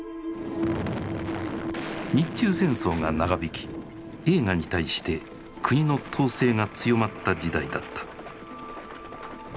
日中戦争が長引き映画に対して国の統制が強まった時代だった。